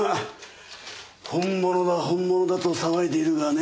本物だと騒いでいるがね。